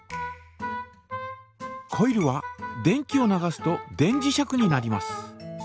コイルは電気を流すと電磁石になります。